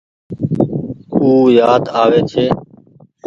او يآد آوي ڇي۔